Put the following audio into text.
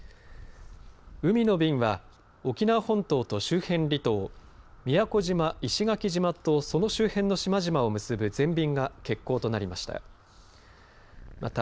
海の便は沖縄本島と周辺離島、宮古島・石垣島とその周辺の島々を結ぶ全便が欠航となりました。